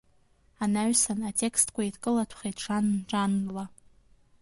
Анаҩсан атекстқәа еидкылатәхеит жанр-жанрла.